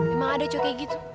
emang ada cowok kayak gitu